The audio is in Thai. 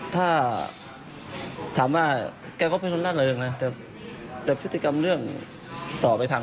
ถ้าถามว่าแกก็เป็นคนล่าเริงนะแต่พฤติกรรมเรื่องสอบไปทาง